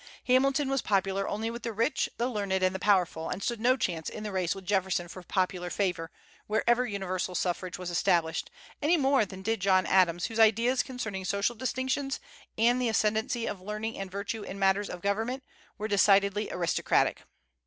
Hamilton was popular only with the rich, the learned, and the powerful, and stood no chance in the race with Jefferson for popular favor, wherever universal suffrage was established, any more than did John Adams, whose ideas concerning social distinctions, and the ascendency of learning and virtue in matters of government, were decidedly aristocratic.